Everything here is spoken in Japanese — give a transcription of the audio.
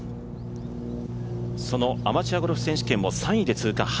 そのアマチュアゴルフ選手権も３位で通過